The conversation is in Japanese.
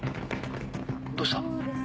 どうした？